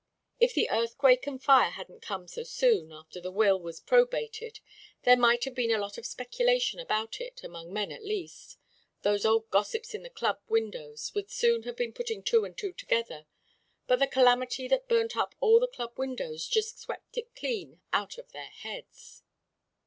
"If the earthquake and fire hadn't come so soon after the will was probated there might have been a lot of speculation about it, among men, at least. Those old gossips in the Club windows would soon have been putting two and two together; but the calamity that burnt up all the Club windows, just swept it clean out of their heads.